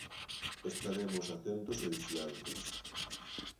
Estaremos atentos e vixiantes.